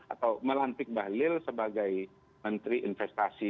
atau melantik bahlil sebagai menteri investasi